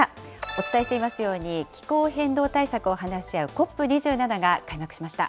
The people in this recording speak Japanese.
お伝えしていますように、気候変動対策を話し合うＣＯＰ２７が開幕しました。